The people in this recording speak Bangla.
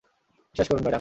বিশ্বাস করুন, ম্যাডাম।